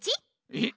えっ？